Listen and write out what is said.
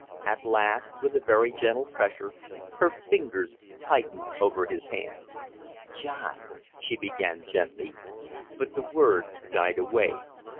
At last, with a very gentle pressure, her fingers tightened over his hands. "John " she began, gently. But the word died away.